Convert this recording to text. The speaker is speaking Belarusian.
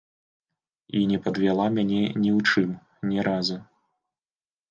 І не падвяла мяне ні ў чым, ні разу.